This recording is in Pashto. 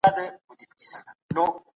تاسو به په خپلو خبرو کي وقار ساتئ.